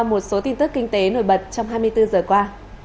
một số tin tức kinh tế nổi bật trong hai mươi bốn giờ qua